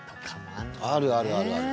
あるあるあるある。